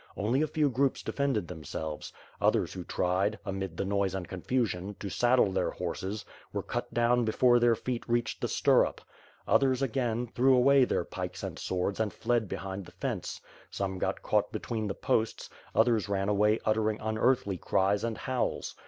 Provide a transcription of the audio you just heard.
Only a few groups defended themselves. Others who tried, amid the noise and confusion, to saddle their horses, were cut down before their feet reached the stirrup. Others, again, threw away their pikes and swords and fled behind the fence; some got caught between the posts; others ran away uttering unearthly cries and howls.